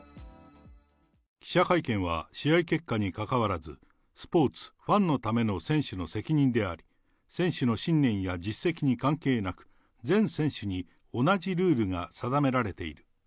記者会見は試合結果にかかわらず、スポーツ、ファンのための選手の責任であり、選手の信念や実績に関係なく、全選手に同じルールが定められている。